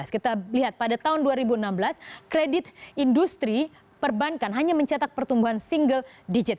kita lihat pada tahun dua ribu enam belas kredit industri perbankan hanya mencetak pertumbuhan single digit